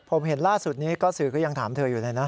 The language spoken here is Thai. ผมเห็นล่าสุดนี้ก็สื่อก็ยังถามเธออยู่เลยนะ